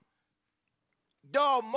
どーも！